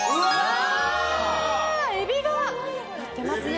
エビがのってますね。